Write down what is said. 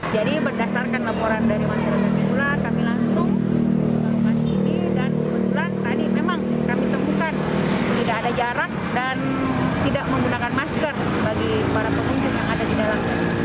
jadi berdasarkan laporan dari masyarakat di bulan kami langsung melakukan ini dan kebetulan tadi memang kami temukan tidak ada jarak dan tidak menggunakan masker bagi para pengunjung yang ada di dalam